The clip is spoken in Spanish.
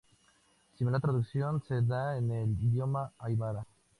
Similar traducción se da en el idioma aymara.